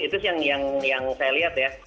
itu yang saya lihat ya